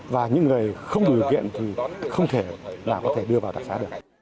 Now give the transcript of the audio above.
và những người không đủ điều kiện thì không thể đưa vào đặc xá được